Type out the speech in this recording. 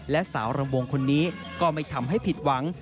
และสาวรำวงคนนี้ก็ไม่ทำให้ผิดหวัง